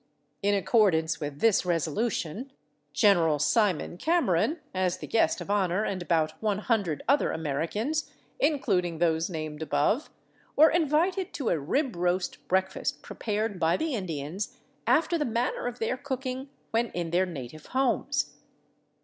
In accordance with this resolution Gen. Simon Cameron as the guest of honor and about one hundred other Americans, including those named above, were invited to a rib roast breakfast prepared by the Indians after the manner of their cooking when in their native homes.